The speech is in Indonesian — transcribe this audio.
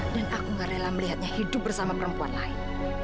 dan aku nggak rela melihatnya hidup bersama perempuan lain